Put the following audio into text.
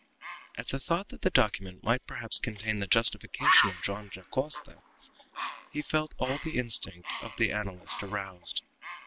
At the thought that the document might perhaps contain the justification of Joam Dacosta, he felt all the instinct of the analyst aroused.